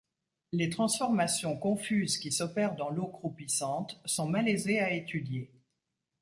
Les transformations confuses qui s’opèrent dans l’eau croupissante sont malaisées à étudier.